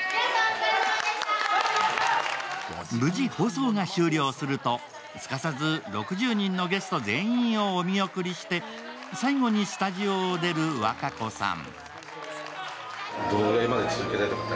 無事放送が終了すると、すかさず６０人のゲスト全員をお見送りして、最後にスタジオを出る和歌子さん。